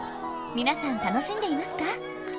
皆さん楽しんでいますか？